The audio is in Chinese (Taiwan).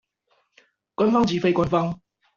官方及非官方